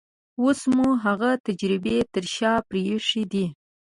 اوس مو هغه تجربې تر شا پرېښې دي.